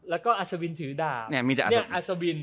แล้วก็อัศวินยนต์ถือดาวเนี่ยมีแต่อัศวินยนต์